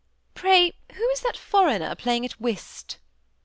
Pray, who is that foreigner playing at whist